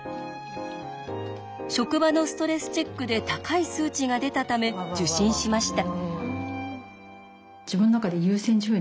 職場のストレスチェックで高い数値が出たため受診しました。